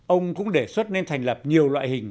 ông cũng đề xuất nên thành lập nhiều loại hình